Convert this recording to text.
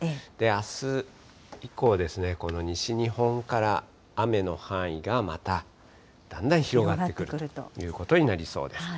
あす以降ですね、この西日本から雨の範囲がまた、だんだん広がってくるということになりそうです。